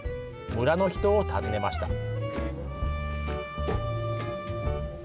村の人を訪ねました。